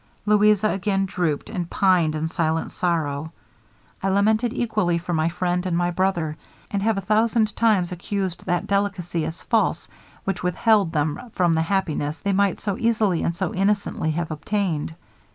Louisa again drooped, and pined in silent sorrow. I lamented equally for my friend and my brother; and have a thousand times accused that delicacy as false, which withheld them from the happiness they might so easily and so innocently have obtained.